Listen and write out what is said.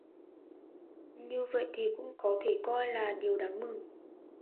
Như vậy thì cũng có thể coi đó là điều đáng mừng